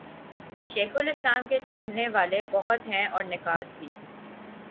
شیخ الاسلام کے چاہنے والے بہت ہیں اور نقاد بھی۔